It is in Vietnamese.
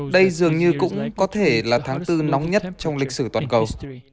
đây dường như cũng có thể là tháng bốn nóng nhất trong lịch sử toàn cầu